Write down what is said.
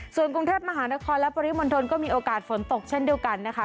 ส่วนกรุงเทพมหานครและปริมณฑลก็มีโอกาสฝนตกเช่นเดียวกันนะคะ